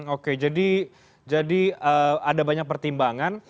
oke jadi ada banyak pertimbangan